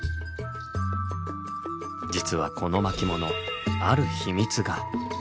実はこの巻物ある秘密が。